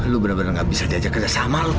lu bener bener gak bisa diajak kerja sama lu